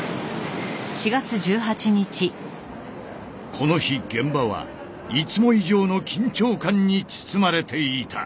この日現場はいつも以上の緊張感に包まれていた。